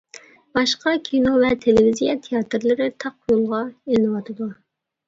باشقا كىنو ۋە تېلېۋىزىيە تىياتىرلىرى تاق يولغا ئېلىنىۋاتىدۇ.